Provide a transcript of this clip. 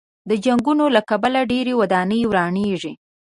د جنګونو له کبله ډېرې ودانۍ ورانېږي.